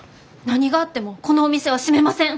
何があってもこのお店は閉めません！